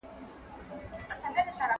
سړي وویل په تېر ژوند